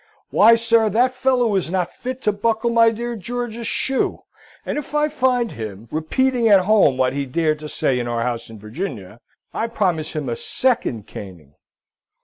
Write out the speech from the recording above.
Why, sir, that fellow was not fit to buckle my dear George's shoe; and if I find him repeating at home what he dared to say in our house in Virginia, I promise him a second caning."